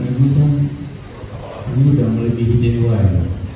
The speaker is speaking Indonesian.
ini udah melebihi diy